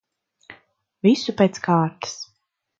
Visu pēc kārtas.